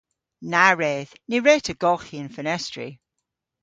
Na wredh! Ny wre'ta golghi an fenestri.